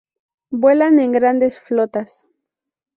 Vuelan en grandes flotas.